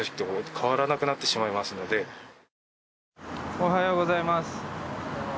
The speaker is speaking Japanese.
おはようございます。